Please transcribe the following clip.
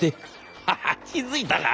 「ハハッ気付いたか。